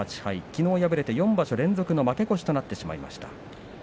きのう敗れて４場所連続の負け越しとなってしまいました。